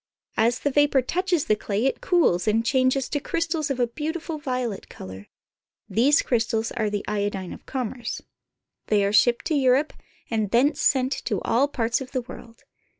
As the vapor touches the clay it cools and changes to crystals of a beautiful violet color. These crystals are the iodine of commerce. They are shipped to Europe, and thence sent to all parts of the world.